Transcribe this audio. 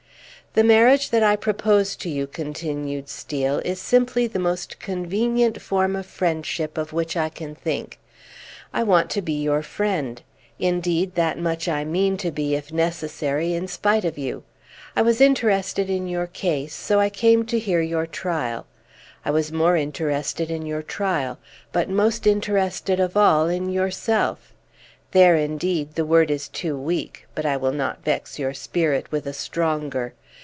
"The marriage that I propose to you," continued Steel, "is simply the most convenient form of friendship of which I can think. I want to be your friend; indeed, that much I mean to be, if necessary, in spite of you. I was interested in your case, so I came up to hear your trial. I was more interested in your trial, but most interested of all in yourself. There, indeed, the word is too weak; but I will not vex your spirit with a stronger.